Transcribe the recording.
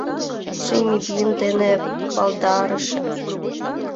...Джимми Бин дене палдарыше